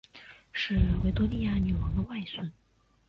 是维多利亚女王的外孙。